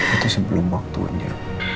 itu sebelum waktunya